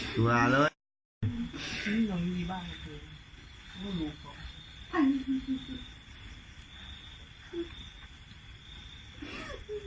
โชว์บี่แก่คืนง่ายจ่ะโชว์